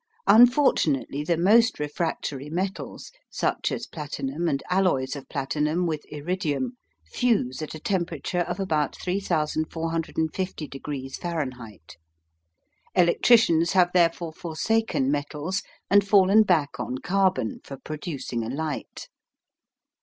Unfortunately the most refractory metals, such as platinum and alloys of platinum with iridium, fuse at a temperature of about 3450 degrees Fahrenheit. Electricians have therefore forsaken metals, and fallen back on carbon for producing a light.